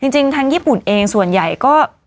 จริงทางญี่ปุ่นเองส่วนใหญ่ก็